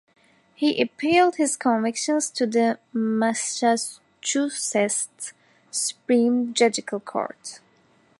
He appealed his convictions to the Massachusetts Supreme Judicial Court.